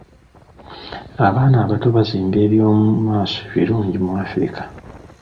Abaana abato bazimba eby'omu maaso ebirungi mu Afirika